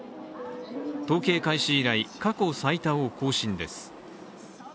統計開始以来、過去最多を更新です。